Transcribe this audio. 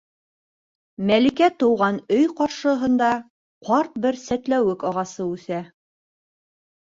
Мәликә тыуған өй ҡаршыһында ҡарт бер сәтләүек ағасы үҫә.